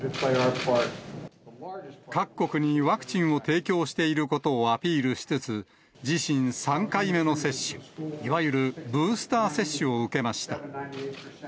各国にワクチンを提供していることをアピールしつつ、自身３回目の接種、いわゆるブースター接種を受けました。